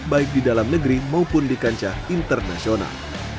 baik di dalam negeri maupun di kancah internasional